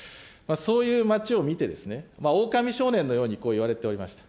そういう街を見て、オオカミ少年のようにこう言われておりました。